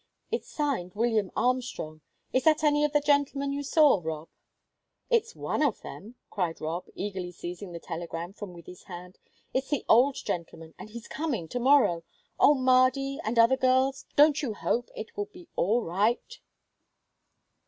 "It's signed William Armstrong; is that any of the gentlemen you saw, Rob?" "It's one of them," cried Rob, eagerly seizing the telegram from Wythie's hand. "It's the old gentleman, and he's coming to morrow! Oh, Mardy and other girls, don't you hope it will be all right?"